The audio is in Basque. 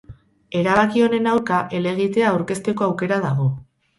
Erabaki honen aurka helegitea aurkezteko aukera dago.